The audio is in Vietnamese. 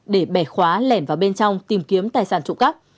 để bẻ khóa lẻn vào bên trong tìm kiếm tài sản trụ cắp